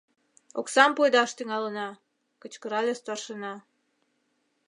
Оксам пуэдаш тӱҥалына! — кычкырале старшина.